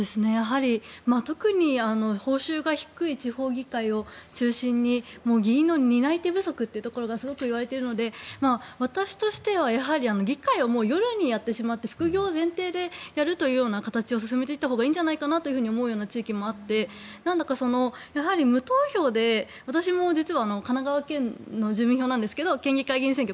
特に報酬が低い地方議会を中心に議員の担い手不足がすごくいわれているので私としては議会を夜にやってしまって副業前提でやるという形を進めていったほうがいいんじゃないかという地域もあって無投票で私も実は神奈川県の住民票なんですけど県議会議員選挙